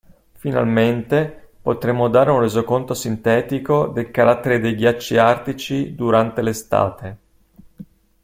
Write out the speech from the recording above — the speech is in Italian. Finalmente, potremo dare un resoconto sintetico del carattere dei ghiacci artici durante l'estate.